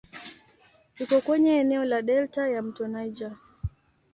Iko kwenye eneo la delta ya "mto Niger".